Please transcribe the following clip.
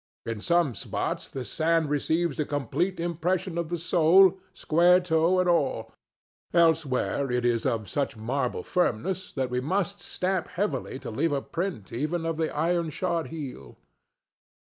In some spots the sand receives a complete impression of the sole, square toe and all; elsewhere it is of such marble firmness that we must stamp heavily to leave a print even of the iron shod heel.